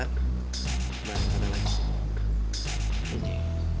kalau ada lagi